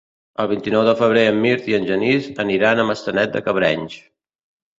El vint-i-nou de febrer en Mirt i en Genís aniran a Maçanet de Cabrenys.